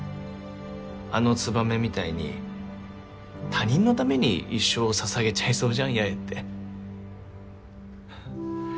あのつばめみたいに他人のために一生を捧げちゃいそうじゃん八重って。